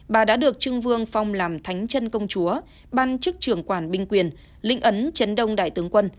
bà đã được trưng vương phong làm thánh chân công chúa ban chức trưởng quản binh quyền lĩnh ấn chấn đông đại tướng quân